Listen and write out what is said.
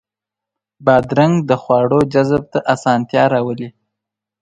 بادرنګ د خواړو جذب ته اسانتیا راولي.